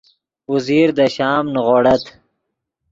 اوزیر دے شام نیغوڑت